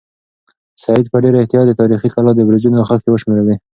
سعید په ډېر احتیاط د تاریخي کلا د برجونو خښتې وشمېرلې.